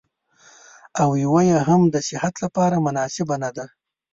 او يوه يې هم د صحت لپاره مناسبه نه ده.